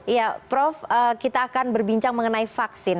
ya prof kita akan berbincang mengenai vaksin